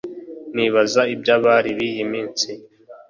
Nibaza iby’abari biyiminsi